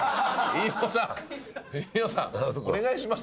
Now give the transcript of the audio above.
飯尾さんお願いします。